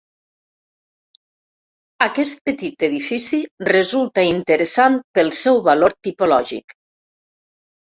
Aquest petit edifici resulta interessant pel seu valor tipològic.